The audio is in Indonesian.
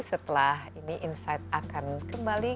setelah ini insight akan kembali